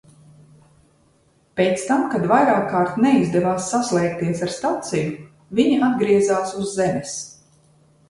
Pēc tam, kad vairākkārt neizdevās saslēgties ar staciju, viņi atgriezās uz Zemes.